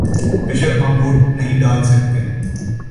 بے شک ہم ووٹ نہیں ڈال سکتے